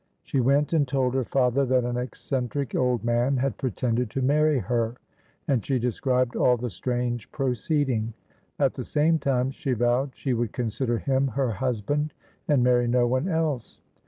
She went and told her father that an eccentric old man had pretended to marry her, and she described all the strange proceeding. At the same time she vowed she would consider him her husband, and marry no one else.